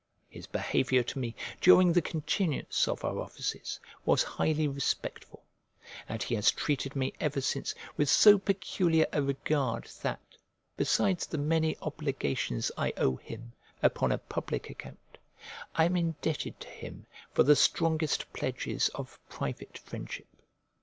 His behaviour to me during the continuance of our offices was highly respectful, and he has treated me ever since with so peculiar a regard that, besides the many obligations I owe him upon a public account, I am indebted to him for the strongest pledges of private friendship.